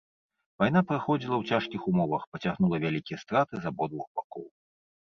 Вайна праходзіла ў цяжкіх умовах, пацягнула вялікія страты з абодвух бакоў.